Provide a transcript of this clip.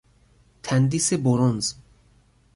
تندیس برنز